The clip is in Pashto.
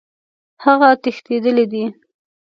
هغه تښتېدلی دی.